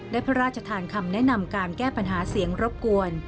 พระราชทานคำแนะนำการแก้ปัญหาเสียงรบกวน